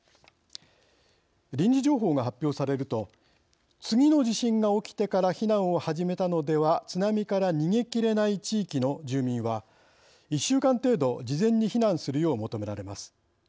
臨時情報が発表されると次の地震が起きてから避難を始めたのでは津波から逃げきれない地域の住民は１週間程度事前に避難するよう求められます。